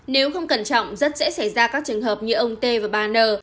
nếu không cẩn trọng rất dễ xảy ra các trường hợp như ông t và ba n